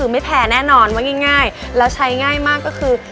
ไม่แพ้แน่นอนว่าง่ายแล้วใช้ง่ายมากก็คือ